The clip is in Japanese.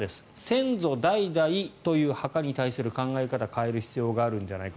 先祖代々という墓に対する考え方を変える必要があるんじゃないか。